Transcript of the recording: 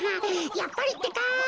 やっぱりってか。